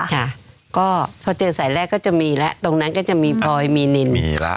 ค่ะก็พอเจอสายแรกก็จะมีแล้วตรงนั้นก็จะมีพลอยมีนินมีแล้ว